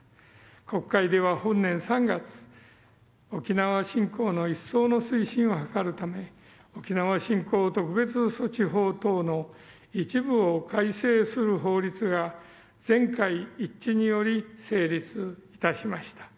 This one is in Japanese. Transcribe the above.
国会では、本年３月沖縄振興の一層の推進を図るため「沖縄振興特別措置法等の一部を改正する法律」が全会一致により成立いたしました。